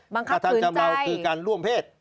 บังคับขืนใจข่มขืนให้ร่วมเพศ